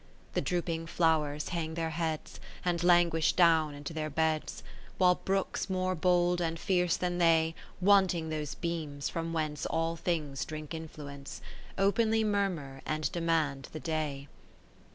The drooping flowers hang their heads, And languish down into their beds : While brooks more bold and fierce than they. Wanting those beams, from whence lo All things drink influence. Openly murmur and demand the day.